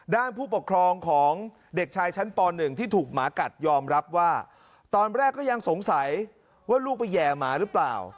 ผู้ปกครองของเด็กชายชั้นป๑ที่ถูกหมากัดยอมรับว่าตอนแรกก็ยังสงสัยว่าลูกไปแห่หมาหรือเปล่า